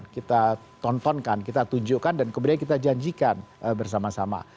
kita tontonkan kita tunjukkan dan kemudian kita janjikan bersama sama